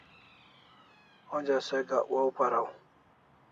Onja se gak waw paraw